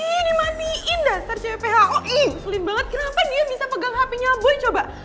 ih dimatiin dasar cpho ih sulit banget kenapa dia bisa pegang hape nya boy coba